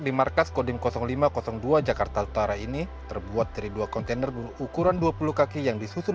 di markas kodim lima ratus dua jakarta utara ini terbuat dari dua kontainer berukuran dua puluh kaki yang disusun